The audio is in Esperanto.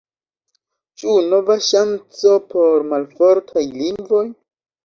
Ĉu nova ŝanco por malfortaj lingvoj?